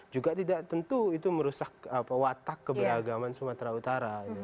juga tidak tentu itu merusak watak keberagaman sumatera utara